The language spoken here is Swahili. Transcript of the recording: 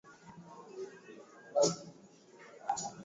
ku kuona rais wetu anakamata mpango kama hii